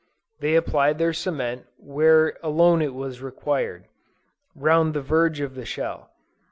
They applied their cement where alone it was required, round the verge of the shell.